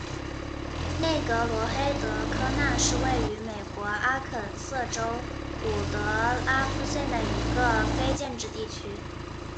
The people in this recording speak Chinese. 内格罗黑德科纳是位于美国阿肯色州伍德拉夫县的一个非建制地区。